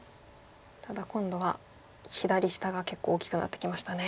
ただ今度は左下が結構大きくなってきましたね。